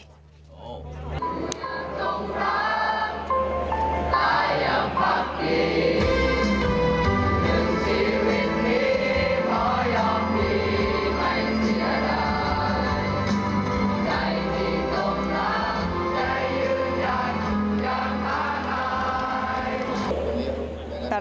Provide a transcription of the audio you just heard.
ใจที่จบล้างใจยืนยันอย่างท้าทาย